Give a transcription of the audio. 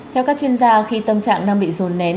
theo các chuyên gia khi tâm trạng đang bị rồn nén